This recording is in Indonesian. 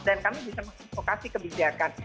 dan kami bisa masuk ke lokasi kebijakan